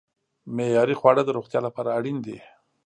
معیاري خواړه د روغتیا لپاره اړین دي.